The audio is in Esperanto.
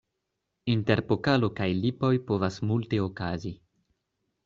Inter pokalo kaj lipoj povas multe okazi.